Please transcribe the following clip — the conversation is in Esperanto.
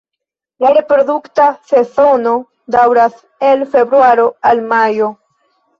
La reprodukta sezono daŭras el februaro al majo.